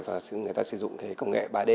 và người ta sử dụng công nghệ ba d